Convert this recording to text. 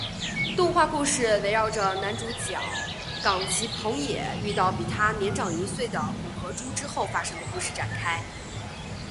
动画故事围绕着男主角冈崎朋也遇到比他年长一岁的古河渚之后发生的故事展开。